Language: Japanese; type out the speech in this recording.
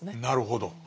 なるほど。